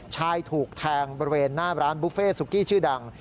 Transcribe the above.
ชายถูกแทงบริเวณหน้าร้านบุฟเฟ่ซุกี้ชื่อดัง